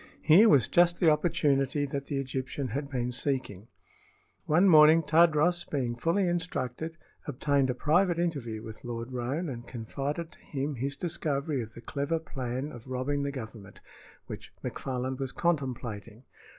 Here was just the opportunity that the Egyptian had been seeking. One morning Tadros, being fully instructed, obtained a private interview with Lord Roane and confided to him his discovery of the clever plan of robbing the Government which McFarland was contemplating.